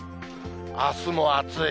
あすも暑い。